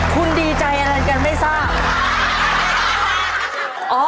คุณดีใจอะไรกันไม่ทราบ